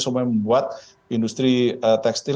yang semuanya membuat industri tekstil